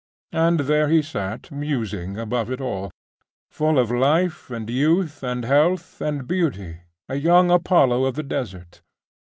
And there he sat musing above it all, full of life and youth and health and beauty a young Apollo of the desert.